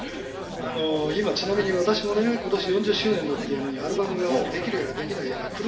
あの今ちなみに私もね今年４０周年だっていうのにアルバムができるやらできないやら苦しんでる